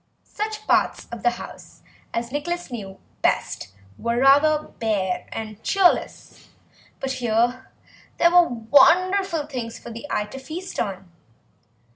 Such parts of the house as Nicholas knew best were rather bare and cheerless, but here there were wonderful things for the eye to feast on.